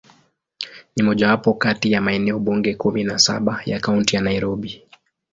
Ni mojawapo kati ya maeneo bunge kumi na saba ya Kaunti ya Nairobi.